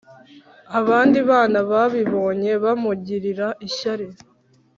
Abandi bana babibonye bamugirira ishyari